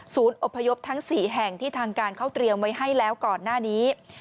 อบพยพทั้ง๔แห่งที่ทางการเขาเตรียมไว้ให้แล้วก่อนหน้านี้